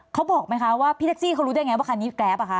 เขาบอกไหมว่าพี่แท็กซี่เขารู้จักยังไงว่าคันนี้แก๊ม